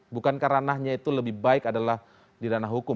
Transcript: bukan karanahnya itu lebih baik adalah di ranah hukum